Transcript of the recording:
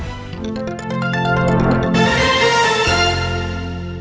จะได้โบนัสกลับไปบ้านเท่าไหร่